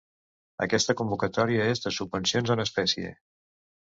Aquesta convocatòria és de subvencions en espècie.